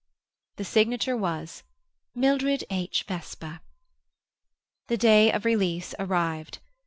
The signature was "Mildred H. Vesper." The day of release arrived.